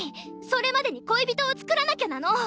それまでに恋人を作らなきゃなの！